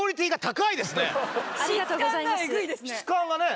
質感がね。